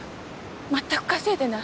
全く稼いでない。